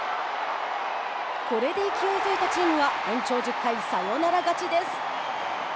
これで勢いづいたチームは延長１０回、サヨナラ勝ちです。